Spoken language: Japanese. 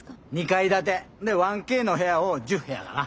２階建て。で１Ｋの部屋を１０部屋かな。